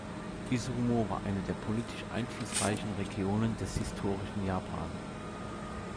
Izumo war eine der politisch einflussreichen Regionen des historischen Japan.